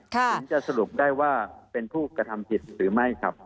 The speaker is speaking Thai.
ถึงจะสรุปได้ว่าเป็นผู้กระทำผิดหรือไม่ครับ